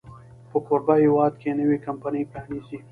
په کوربه هېواد کې نوې کمپني پرانیزي.